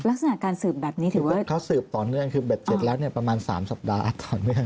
เขาสืบต่อเนื่องคือเบช๗แล้วประมาณ๓สัปดาห์